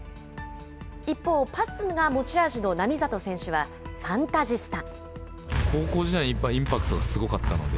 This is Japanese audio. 一方、パスが持ち味の並里選手はファンタジスタ。